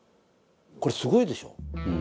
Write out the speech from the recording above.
これ、すごいでしょ。